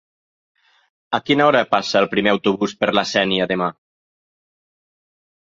A quina hora passa el primer autobús per la Sénia demà?